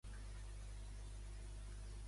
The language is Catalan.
On es pot adorar?